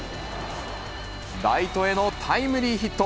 ライトへのタイムリーヒット。